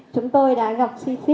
chúng tôi đã gặp xi xi